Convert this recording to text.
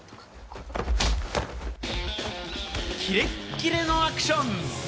キレッキレのアクション！